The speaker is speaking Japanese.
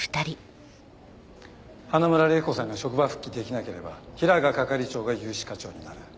花村玲子さんが職場復帰できなければ平賀係長が融資課長になる。